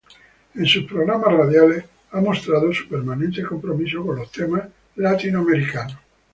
En sus programas radiales ha mostrado su permanente compromiso con los temas latinoamericanos.